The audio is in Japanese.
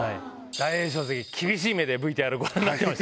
大栄翔関厳しい目でＶＴＲご覧になってました。